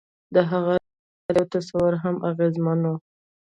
د هغه لېوالتیا او تصور هم اغېزمن وو